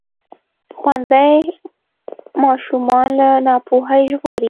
ښوونځی ماشومان له ناپوهۍ ژغوري.